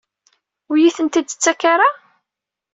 Ur iyi-tent-id-tettak ara?